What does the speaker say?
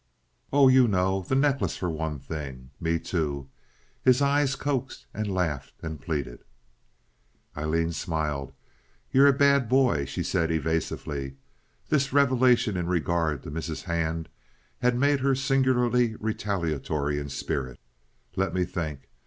"Oh, you know. The necklace for one thing. Me, too." His eyes coaxed and laughed and pleaded. Aileen smiled. "You're a bad boy," she said, evasively. This revelation in regard to Mrs. Hand had made her singularly retaliatory in spirit. "Let me think.